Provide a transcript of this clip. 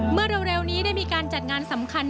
เมื่อเร็วนี้ได้มีการจัดงานสำคัญ